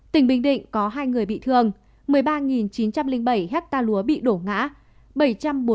tỉnh bình định có hai người bị thương một mươi ba chín trăm linh bảy hectare lúa bị đổ ngã